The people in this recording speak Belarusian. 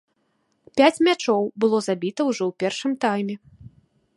Пяць мячоў было забіта ўжо ў першым тайме.